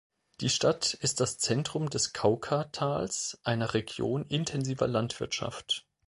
Die Stadt ist das Zentrum des Cauca-Tals, einer Region intensiver Landwirtschaft.